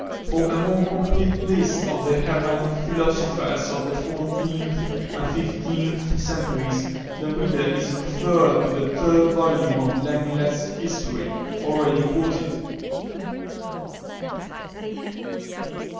For a more complete list of the hermetic philosophers of the fourteenth and fifteenth centuries, the reader is referred to the third volume of Lenglet's History, already quoted.